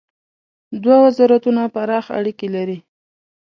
دوه وزارتونه پراخ اړیکي لري.